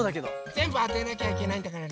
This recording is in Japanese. ぜんぶあてなきゃいけないんだからね。